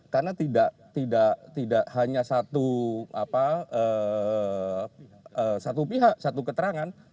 karena tidak hanya satu pihak satu keterangan